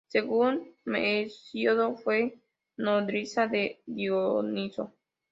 Según Hesíodo fue nodriza de Dioniso.